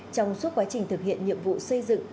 trong suốt quá trình thực hiện nhiệm vụ xây dựng